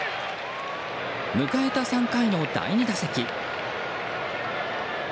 迎えた３回の第２打席。